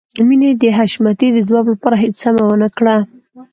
مينې د حشمتي د ځواب لپاره هېڅ تمه ونه کړه.